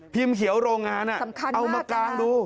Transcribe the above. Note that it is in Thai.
พิมพ์เขียวโรงงานเอามากลางดู